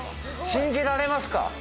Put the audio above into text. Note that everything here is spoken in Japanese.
信じられますか？